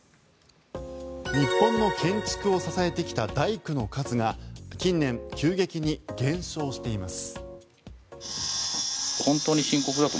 日本の建築を支えてきた大工の数が近年、急激に減少しています。